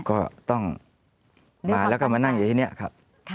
ก็ต้องมาแล้วก็มานั่งอยู่ที่นี่ครับ